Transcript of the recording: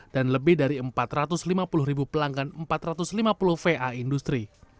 dan lebih dari empat ratus lima puluh ribu pelanggan empat ratus lima puluh va industri